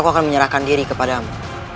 aku akan menyerahkan diri kepada kamu